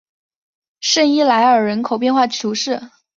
圣伊莱尔人口变化图示